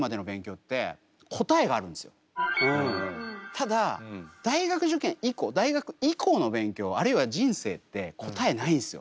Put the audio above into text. ただ大学受験以降大学以降の勉強あるいは人生って答えないんですよ。